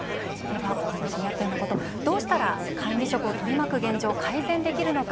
お話にあったようなことどうしたら管理職を取り巻く現状を改善できるのか。